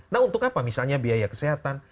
nah untuk apa misalnya biaya kesehatan